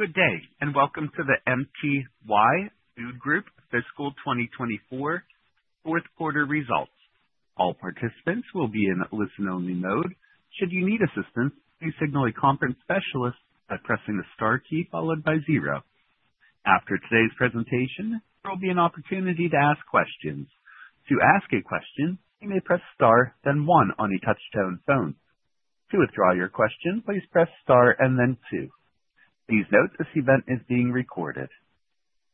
Good day, and welcome to the MTY Food Group Fiscal 2024 Fourth Quarter Results. All participants will be in listen-only mode. Should you need assistance, please signal a conference specialist by pressing the star key followed by zero. After today's presentation, there will be an opportunity to ask questions. To ask a question, you may press star, then one on a touch-tone phone. To withdraw your question, please press star and then two. Please note this event is being recorded.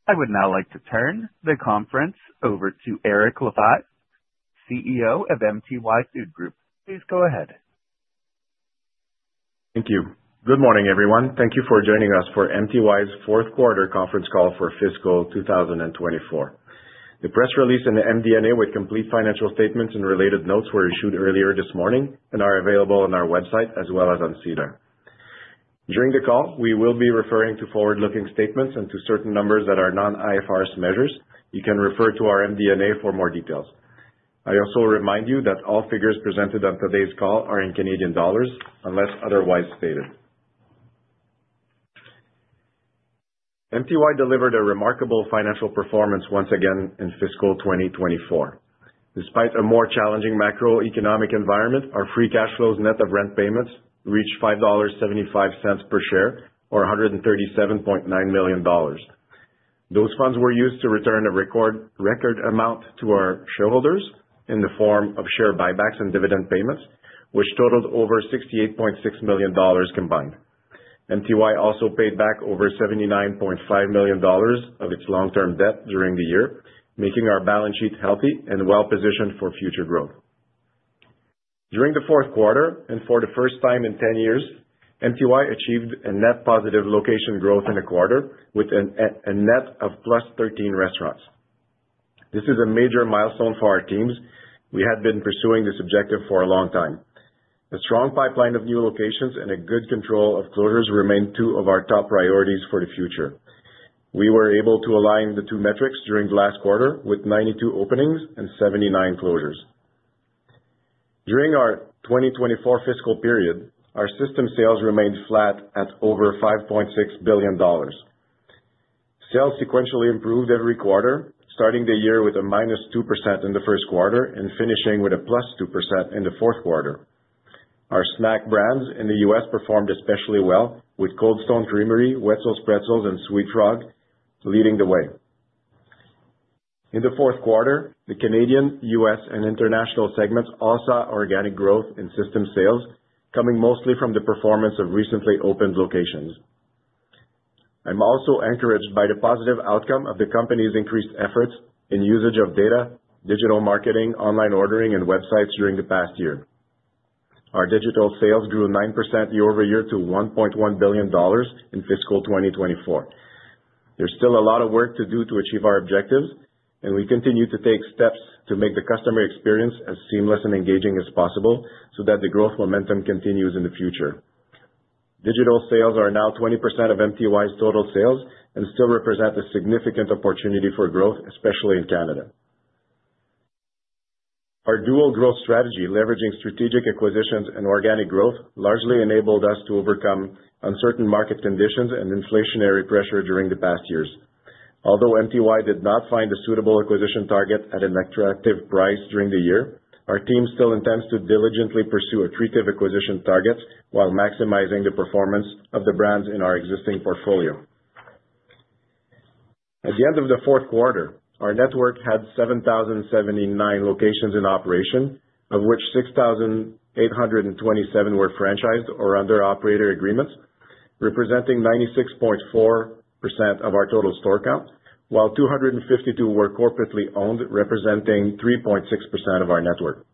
I would now like to turn the conference over to Eric Lefebvre, CEO of MTY Food Group. Please go ahead. Thank you. Good morning, everyone. Thank you for joining us for MTY's Fourth Quarter Conference Call for Fiscal 2024. The press release and the MD&A with complete financial statements and related notes were issued earlier this morning and are available on our website as well as on SEDAR+. During the call, we will be referring to forward-looking statements and to certain numbers that are non-IFRS measures. You can refer to our MD&A for more details. I also remind you that all figures presented on today's call are in Canadian dollars unless otherwise stated. MTY delivered a remarkable financial performance once again in fiscal 2024. Despite a more challenging macroeconomic environment, our free cash flows net of rent payments reached 5.75 dollars per share, or 137.9 million dollars. Those funds were used to return a record amount to our shareholders in the form of share buybacks and dividend payments, which totaled over 68.6 million dollars combined. MTY also paid back over 79.5 million dollars of its long-term debt during the year, making our balance sheet healthy and well-positioned for future growth. During the fourth quarter, and for the first time in 10 years, MTY achieved a net positive location growth in a quarter with a net of +13 restaurants. This is a major milestone for our teams. We had been pursuing this objective for a long time. A strong pipeline of new locations and a good control of closures remain two of our top priorities for the future. We were able to align the two metrics during the last quarter with 92 openings and 79 closures. During our 2024 fiscal period, our system sales remained flat at over $5.6 billion. Sales sequentially improved every quarter, starting the year with a -2% in the first quarter and finishing with a +2% in the fourth quarter. Our snack brands in the U.S. performed especially well, with Cold Stone Creamery, Wetzel's Pretzels, and sweetFrog leading the way. In the fourth quarter, the Canadian, U.S., and international segments all saw organic growth in system sales, coming mostly from the performance of recently opened locations. I'm also encouraged by the positive outcome of the company's increased efforts in usage of data, digital marketing, online ordering, and websites during the past year. Our digital sales grew 9% year-over-year to $1.1 billion in fiscal 2024. There's still a lot of work to do to achieve our objectives, and we continue to take steps to make the customer experience as seamless and engaging as possible so that the growth momentum continues in the future. Digital sales are now 20% of MTY's total sales and still represent a significant opportunity for growth, especially in Canada. Our dual growth strategy, leveraging strategic acquisitions and organic growth, largely enabled us to overcome uncertain market conditions and inflationary pressure during the past years. Although MTY did not find a suitable acquisition target at an attractive price during the year, our team still intends to diligently pursue attractive acquisition targets while maximizing the performance of the brands in our existing portfolio. At the end of the fourth quarter, our network had 7,079 locations in operation, of which 6,827 were franchised or under operator agreements, representing 96.4% of our total store count, while 252 were corporately owned, representing 3.6% of our network.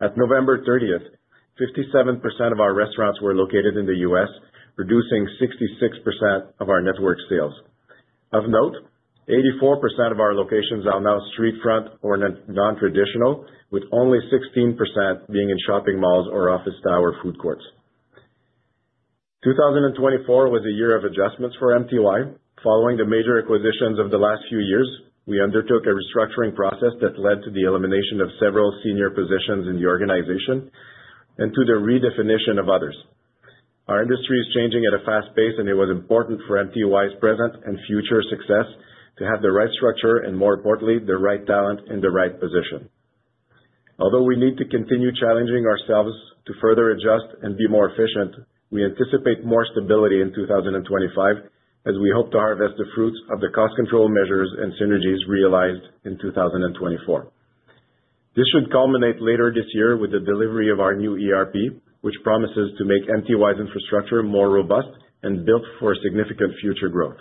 At November 30th, 57% of our restaurants were located in the U.S., representing 66% of our network sales. Of note, 84% of our locations are now street front or non-traditional, with only 16% being in shopping malls or office tower food courts. 2024 was a year of adjustments for MTY. Following the major acquisitions of the last few years, we undertook a restructuring process that led to the elimination of several senior positions in the organization and to the redefinition of others. Our industry is changing at a fast pace, and it was important for MTY's present and future success to have the right structure and, more importantly, the right talent in the right position. Although we need to continue challenging ourselves to further adjust and be more efficient, we anticipate more stability in 2025 as we hope to harvest the fruits of the cost control measures and synergies realized in 2024. This should culminate later this year with the delivery of our new ERP, which promises to make MTY's infrastructure more robust and built for significant future growth.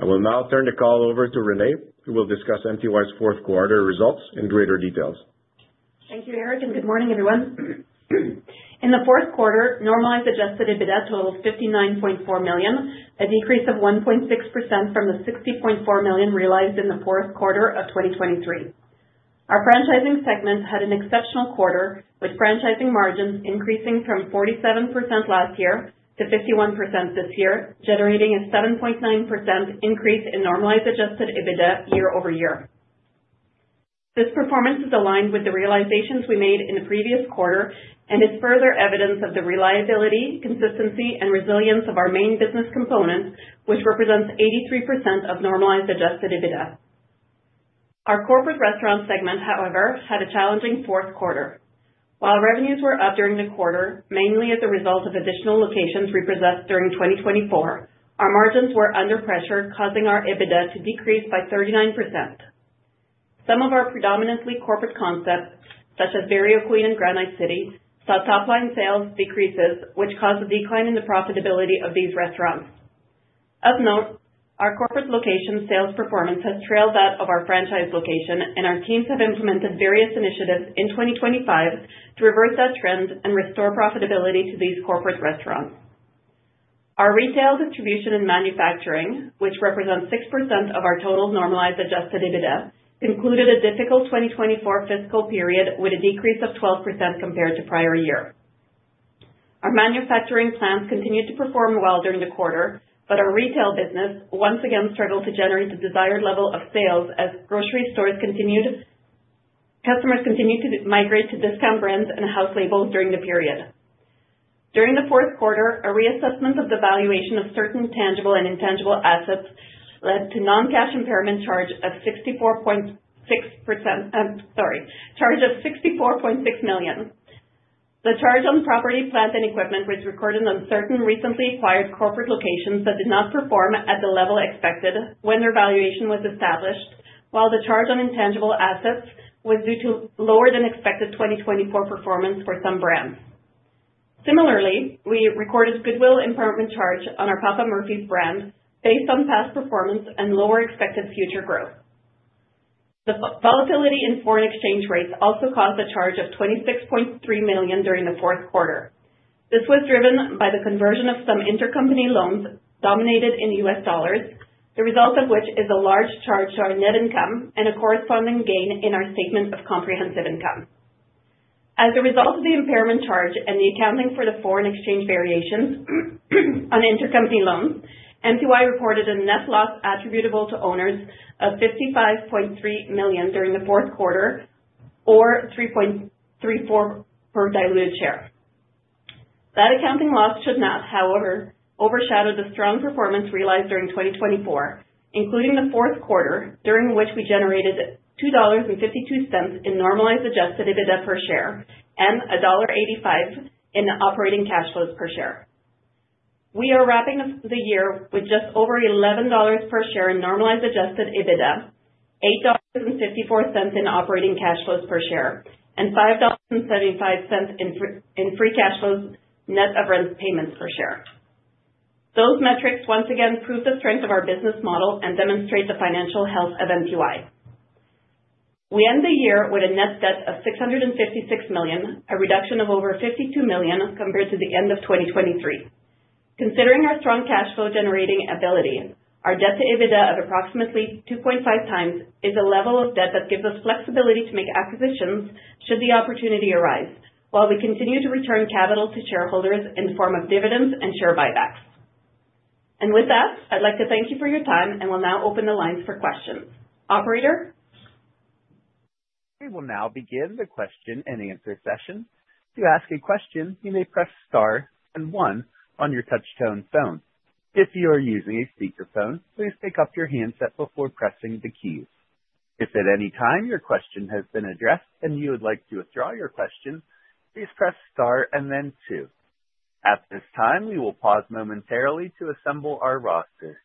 I will now turn the call over to Renée, who will discuss MTY's fourth quarter results in greater details. Thank you, Eric, and good morning, everyone. In the fourth quarter, normalized adjusted EBITDA totaled 59.4 million, a decrease of 1.6% from the 60.4 million realized in the fourth quarter of 2023. Our franchising segment had an exceptional quarter, with franchising margins increasing from 47% last year to 51% this year, generating a 7.9% increase in normalized adjusted EBITDA year-over-year. This performance is aligned with the realizations we made in the previous quarter and is further evidence of the reliability, consistency, and resilience of our main business component, which represents 83% of normalized adjusted EBITDA. Our corporate restaurant segment, however, had a challenging fourth quarter. While revenues were up during the quarter, mainly as a result of additional locations repossessed during 2024, our margins were under pressure, causing our EBITDA to decrease by 39%. Some of our predominantly corporate concepts, such as Barrio Queen and Granite City, saw top-line sales decreases, which caused a decline in the profitability of these restaurants. Of note, our corporate location sales performance has trailed that of our franchise location, and our teams have implemented various initiatives in 2025 to reverse that trend and restore profitability to these corporate restaurants. Our retail, distribution, and manufacturing, which represent 6% of our total normalized adjusted EBITDA, concluded a difficult 2024 fiscal period with a decrease of 12% compared to prior year. Our manufacturing plants continued to perform well during the quarter, but our retail business once again struggled to generate the desired level of sales as customers continued to migrate to discount brands and house labels during the period. During the fourth quarter, a reassessment of the valuation of certain tangible and intangible assets led to a non-cash impairment charge of 64.6 million. The charge on property, plant, and equipment was recorded on certain recently acquired corporate locations that did not perform at the level expected when their valuation was established, while the charge on intangible assets was due to lower-than-expected 2024 performance for some brands. Similarly, we recorded goodwill impairment charge on our Papa Murphy's brand based on past performance and lower expected future growth. The volatility in foreign exchange rates also caused a charge of 26.3 million during the fourth quarter. This was driven by the conversion of some intercompany loans denominated in U.S. dollars, the result of which is a large charge to our net income and a corresponding gain in our Statement of Comprehensive Income. As a result of the impairment charge and the accounting for the foreign exchange variations on intercompany loans, MTY reported a net loss attributable to owners of 55.3 million during the fourth quarter, or 3.34 per diluted share. That accounting loss should not, however, overshadow the strong performance realized during 2024, including the fourth quarter, during which we generated 2.52 dollars in normalized adjusted EBITDA per share and dollar 1.85 in operating cash flows per share. We are wrapping the year with just over 11 dollars per share in normalized adjusted EBITDA, 8.54 dollars in operating cash flows per share, and 5.75 dollars in free cash flows net of rent payments per share. Those metrics once again prove the strength of our business model and demonstrate the financial health of MTY. We end the year with a net debt of 656 million, a reduction of over 52 million compared to the end of 2023. Considering our strong cash flow generating ability, our debt to EBITDA of approximately 2.5 times is a level of debt that gives us flexibility to make acquisitions should the opportunity arise, while we continue to return capital to shareholders in the form of dividends and share buybacks. And with that, I'd like to thank you for your time, and we'll now open the lines for questions. Operator. We will now begin the question and answer session. To ask a question, you may press star and one on your touch-tone phone. If you are using a speakerphone, please pick up your handset before pressing the keys. If at any time your question has been addressed and you would like to withdraw your question, please press star and then two. At this time, we will pause momentarily to assemble our roster,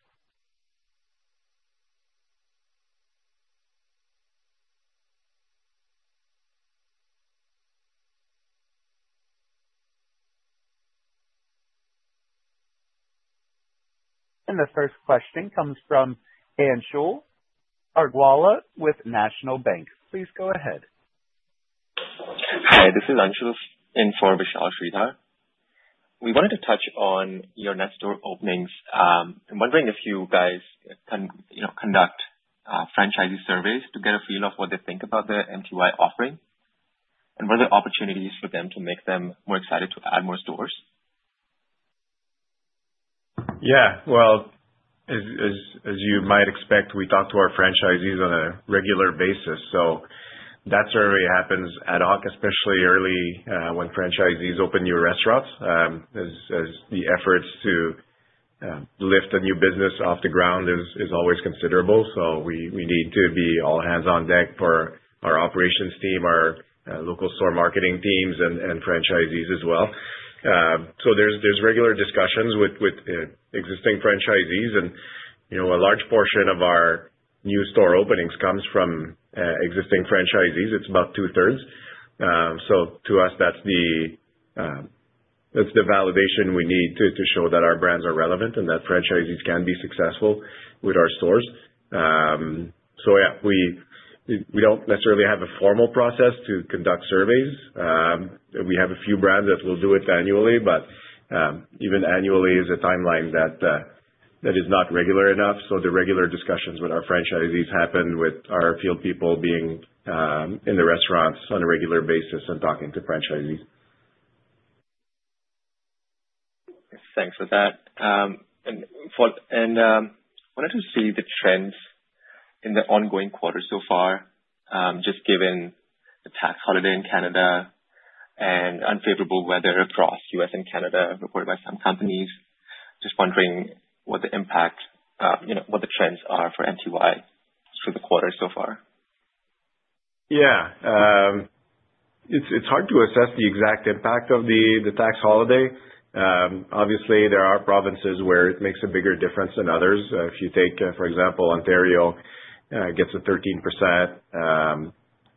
and the first question comes from Anshul Agarwal with National Bank. Please go ahead. Hi, this is Anshul Agarwal from National Bank Financial. We wanted to touch on your net store openings. I'm wondering if you guys can conduct franchisee surveys to get a feel of what they think about the MTY offering and what are the opportunities for them to make them more excited to add more stores. Yeah, well, as you might expect, we talk to our franchisees on a regular basis. So that survey happens at all, especially early when franchisees open new restaurants, as the efforts to lift a new business off the ground is always considerable. So we need to be all hands on deck for our operations team, our local store marketing teams, and franchisees as well. So there's regular discussions with existing franchisees, and a large portion of our new store openings comes from existing franchisees. It's about two-thirds. So to us, that's the validation we need to show that our brands are relevant and that franchisees can be successful with our stores. So yeah, we don't necessarily have a formal process to conduct surveys. We have a few brands that will do it annually, but even annually is a timeline that is not regular enough. So the regular discussions with our franchisees happen with our field people being in the restaurants on a regular basis and talking to franchisees. Thanks for that. And I wanted to see the trends in the ongoing quarter so far, just given the tax holiday in Canada and unfavorable weather across the U.S. and Canada reported by some companies. Just wondering what the impact, what the trends are for MTY through the quarter so far? Yeah, it's hard to assess the exact impact of the tax holiday. Obviously, there are provinces where it makes a bigger difference than others. If you take, for example, Ontario gets a 13%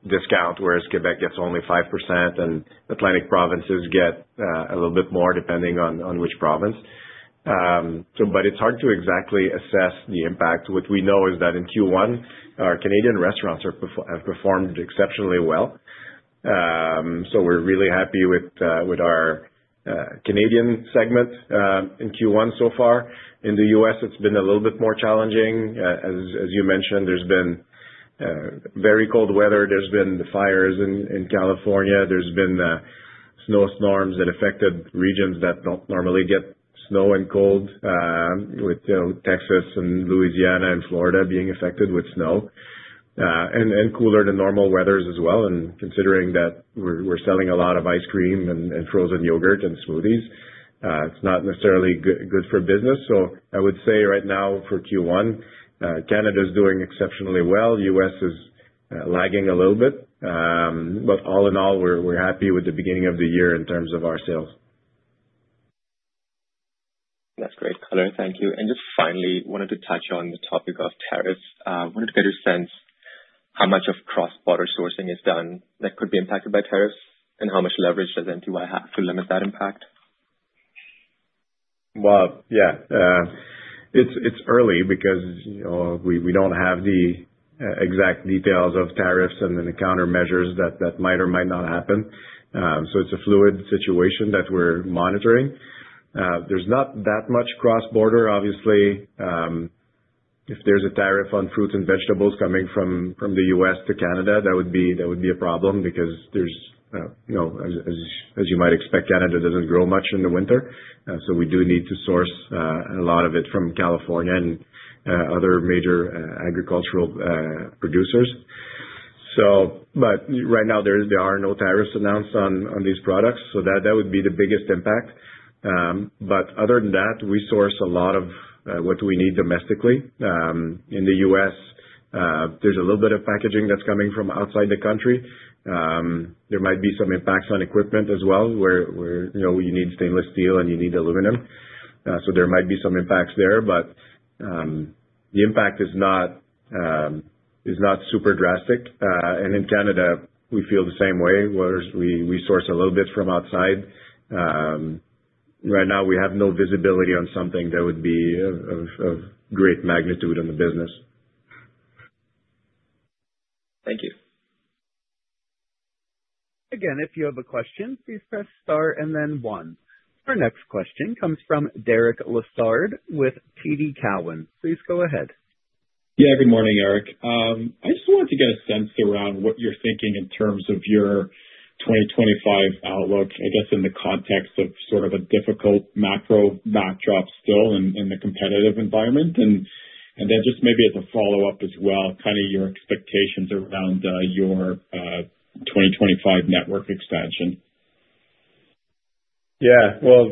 discount, whereas Quebec gets only 5%, and Atlantic provinces get a little bit more depending on which province. But it's hard to exactly assess the impact. What we know is that in Q1, our Canadian restaurants have performed exceptionally well. So we're really happy with our Canadian segment in Q1 so far. In the U.S., it's been a little bit more challenging. As you mentioned, there's been very cold weather. There's been the fires in California. There's been snowstorms that affected regions that don't normally get snow and cold, with Texas and Louisiana and Florida being affected with snow and cooler than normal weather as well. Considering that we're selling a lot of ice cream and frozen yogurt and smoothies, it's not necessarily good for business. I would say right now for Q1, Canada is doing exceptionally well. The U.S. is lagging a little bit, but all in all, we're happy with the beginning of the year in terms of our sales. That's great. Thank you. And just finally, I wanted to touch on the topic of tariffs. I wanted to get your sense how much of cross-border sourcing is done that could be impacted by tariffs and how much leverage does MTY have to limit that impact? Yeah, it's early because we don't have the exact details of tariffs and the countermeasures that might or might not happen. So it's a fluid situation that we're monitoring. There's not that much cross-border, obviously. If there's a tariff on fruits and vegetables coming from the U.S. to Canada, that would be a problem because, as you might expect, Canada doesn't grow much in the winter. So we do need to source a lot of it from California and other major agricultural producers. But right now, there are no tariffs announced on these products. So that would be the biggest impact. But other than that, we source a lot of what we need domestically. In the U.S., there's a little bit of packaging that's coming from outside the country. There might be some impacts on equipment as well, where you need stainless steel and you need aluminum. There might be some impacts there, but the impact is not super drastic. In Canada, we feel the same way, where we source a little bit from outside. Right now, we have no visibility on something that would be of great magnitude in the business. Thank you. Again, if you have a question, please press star and then one. Our next question comes from Derek Lessard with TD Cowen. Please go ahead. Yeah, good morning, Eric. I just wanted to get a sense around what you're thinking in terms of your 2025 outlook, I guess, in the context of sort of a difficult macro backdrop still in the competitive environment, and then just maybe as a follow-up as well, kind of your expectations around your 2025 network expansion. Yeah, well,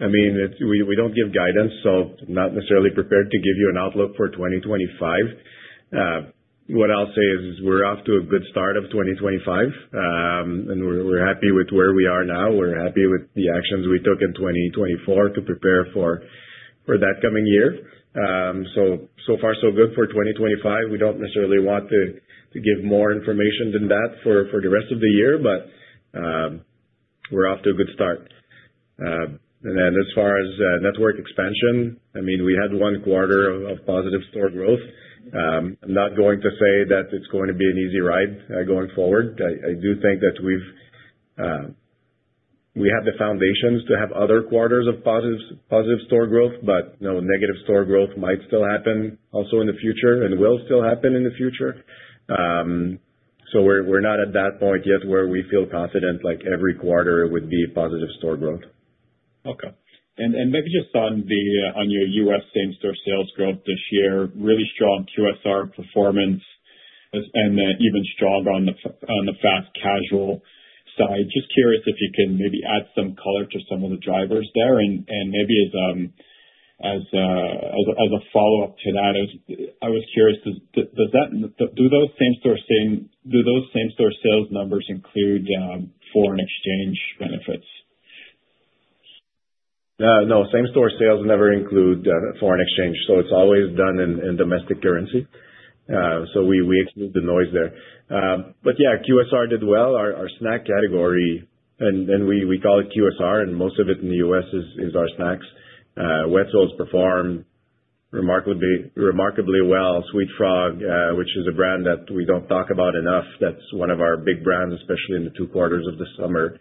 I mean, we don't give guidance, so I'm not necessarily prepared to give you an outlook for 2025. What I'll say is we're off to a good start of 2025, and we're happy with where we are now. We're happy with the actions we took in 2024 to prepare for that coming year. So far, so good for 2025. We don't necessarily want to give more information than that for the rest of the year, but we're off to a good start. And then as far as network expansion, I mean, we had one quarter of positive store growth. I'm not going to say that it's going to be an easy ride going forward. I do think that we have the foundations to have other quarters of positive store growth, but negative store growth might still happen also in the future and will still happen in the future. We're not at that point yet where we feel confident like every quarter it would be positive store growth. Okay. And maybe just on your U.S. same-store sales growth this year, really strong QSR performance and even strong on the fast casual side. Just curious if you can maybe add some color to some of the drivers there? And maybe as a follow-up to that, I was curious, do those same-store sales numbers include foreign exchange benefits? No, same-store sales never include foreign exchange. So it's always done in domestic currency. So we exclude the noise there. But yeah, QSR did well. Our Snack Category, and we call it QSR, and most of it in the U.S. is our snacks. Wetzel's performed remarkably well. Sweet Frog, which is a brand that we don't talk about enough, that's one of our big brands, especially in the two quarters of the summer,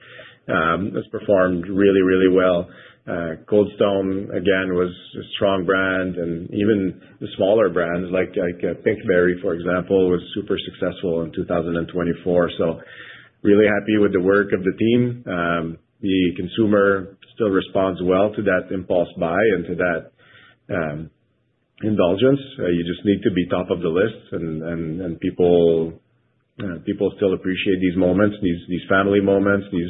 has performed really, really well. Cold Stone, again, was a strong brand. And even the smaller brands like Pinkberry, for example, was super successful in 2024. So really happy with the work of the team. The consumer still responds well to that impulse buy and to that indulgence. You just need to be top of the list, and people still appreciate these moments, these family moments, these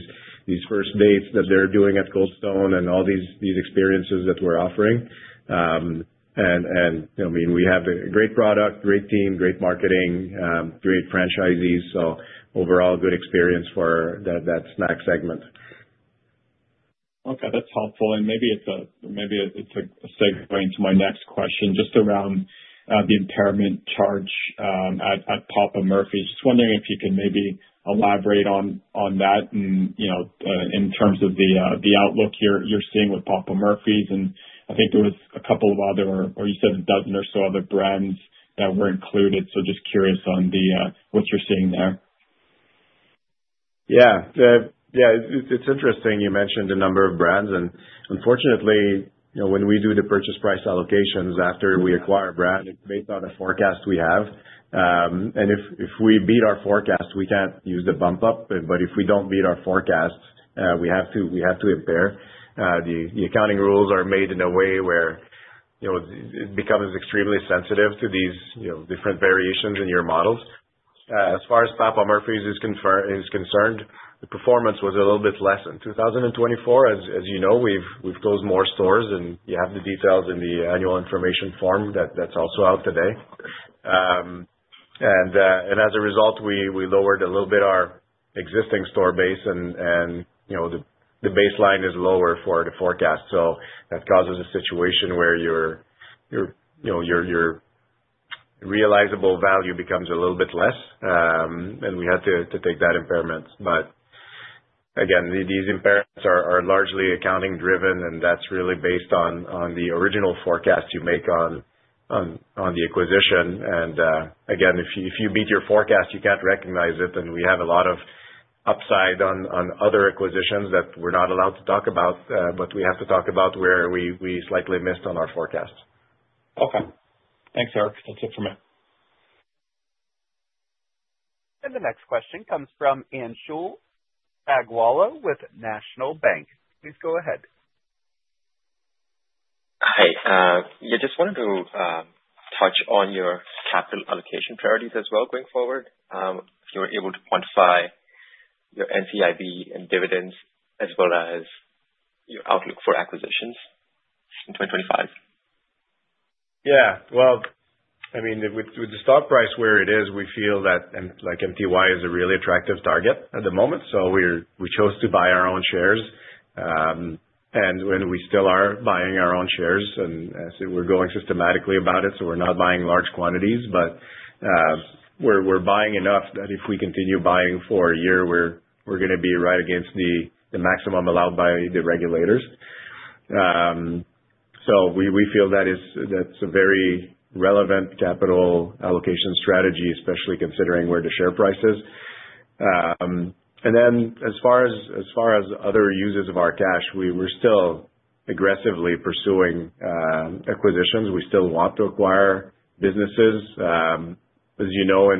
first dates that they're doing at Cold Stone and all these experiences that we're offering, and I mean, we have a great product, great team, great marketing, great franchisees, so overall, good experience for that snack segment. Okay, that's helpful, and maybe it's a segue into my next question just around the impairment charge at Papa Murphy's. Just wondering if you can maybe elaborate on that in terms of the outlook you're seeing with Papa Murphy's. And I think there was a couple of other, or you said a dozen or so other brands that were included, so just curious on what you're seeing there. Yeah. Yeah, it's interesting. You mentioned a number of brands. And unfortunately, when we do the purchase price allocations after we acquire a brand, it's based on a forecast we have. And if we beat our forecast, we can't use the bump-up. But if we don't beat our forecast, we have to impair. The accounting rules are made in a way where it becomes extremely sensitive to these different variations in your models. As far as Papa Murphy's is concerned, the performance was a little bit less in 2024. As you know, we've closed more stores, and you have the details in the Annual Information Form that's also out today. And as a result, we lowered a little bit our existing store base, and the baseline is lower for the forecast. So that causes a situation where your realizable value becomes a little bit less, and we had to take that impairment. But again, these impairments are largely accounting-driven, and that's really based on the original forecast you make on the acquisition. And again, if you beat your forecast, you can't recognize it. And we have a lot of upside on other acquisitions that we're not allowed to talk about, but we have to talk about where we slightly missed on our forecast. Okay. Thanks, Eric. That's it from me. And the next question comes from Anshul Agarwal with National Bank. Please go ahead. Hi. Yeah, just wanted to touch on your capital allocation priorities as well going forward. If you were able to quantify your NCIB and dividends as well as your outlook for acquisitions in 2025? Yeah. Well, I mean, with the stock price where it is, we feel that MTY is a really attractive target at the moment. So we chose to buy our own shares. And we still are buying our own shares. And we're going systematically about it, so we're not buying large quantities, but we're buying enough that if we continue buying for a year, we're going to be right against the maximum allowed by the regulators. So we feel that's a very relevant capital allocation strategy, especially considering where the share price is. And then as far as other uses of our cash, we're still aggressively pursuing acquisitions. We still want to acquire businesses. As you know,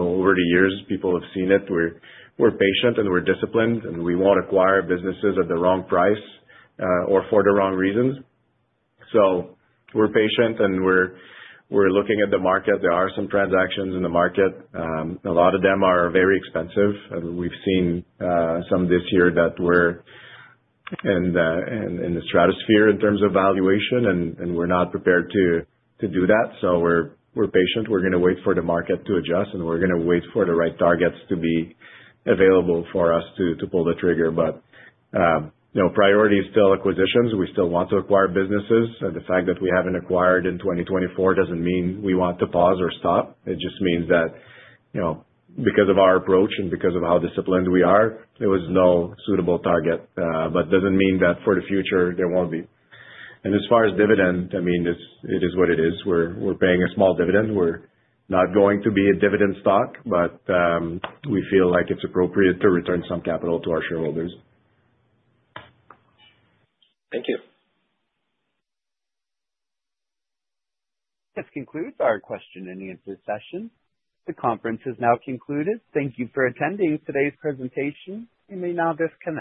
over the years, people have seen it. We're patient and we're disciplined, and we won't acquire businesses at the wrong price or for the wrong reasons. So we're patient and we're looking at the market. There are some transactions in the market. A lot of them are very expensive. And we've seen some this year that were in the stratosphere in terms of valuation, and we're not prepared to do that. So we're patient. We're going to wait for the market to adjust, and we're going to wait for the right targets to be available for us to pull the trigger. But priority is still acquisitions. We still want to acquire businesses. And the fact that we haven't acquired in 2024 doesn't mean we want to pause or stop. It just means that because of our approach and because of how disciplined we are, there was no suitable target. But it doesn't mean that for the future there won't be. And as far as dividend, I mean, it is what it is. We're paying a small dividend. We're not going to be a dividend stock, but we feel like it's appropriate to return some capital to our shareholders. Thank you. This concludes our question and answer session. The conference has now concluded. Thank you for attending today's presentation. You may now disconnect.